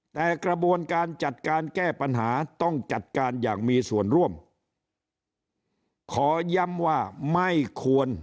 แต่กระบวนการจัดการแก้ปัญหาต้องจัดการอย่างมีส่วนร่วมขอย้ำว่าไม่ควร